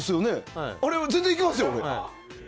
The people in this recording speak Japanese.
あれ、全然いけますよ。